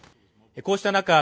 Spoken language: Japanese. こうした中